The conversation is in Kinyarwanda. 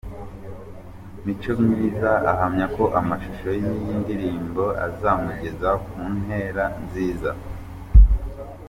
Micomyiza ahamya ko amashusho y'iyi ndirimbo azamugeza ku ntera nziza.